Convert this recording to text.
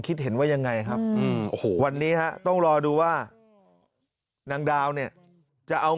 คิดเห็นว่ายังไงครับโอ้โหวันนี้ฮะต้องรอดูว่านางดาวเนี่ยจะเอา